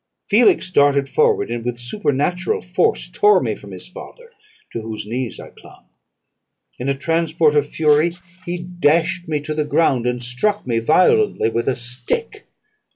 Felix darted forward, and with supernatural force tore me from his father, to whose knees I clung: in a transport of fury, he dashed me to the ground, and struck me violently with a stick.